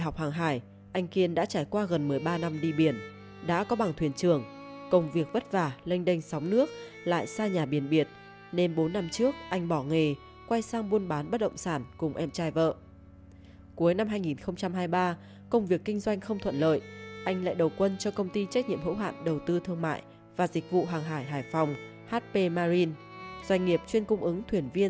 các bạn hãy đăng ký kênh để ủng hộ kênh của chúng mình nhé